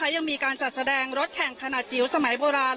ยังมีการจัดแสดงรถแข่งขนาดจิ๋วสมัยโบราณ